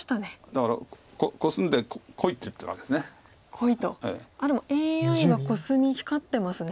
あっでもＡＩはコスミ光ってますね。